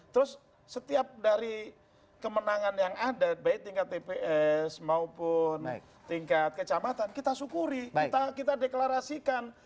terus setiap dari kemenangan yang ada baik tingkat tps maupun tingkat kecamatan kita syukuri kita deklarasikan